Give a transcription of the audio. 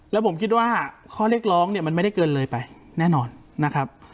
แล้วผมคิดว่าข้อเรียกร้องเนี่ยมันไม่ได้เกินเลยไปแน่นอนนะครับ